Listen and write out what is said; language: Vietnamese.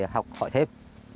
học hỏi thêm